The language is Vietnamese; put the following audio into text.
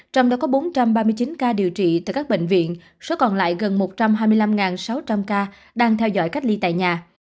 trong đó có bốn trăm ba mươi chín ca điều trị tại các bệnh viện số còn lại gần một trăm hai mươi năm sáu trăm linh ca đang theo dõi cách ly tại nhà